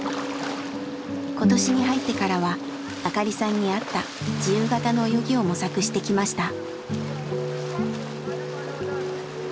今年に入ってからは明香里さんに合った自由形の泳ぎを模索してきました。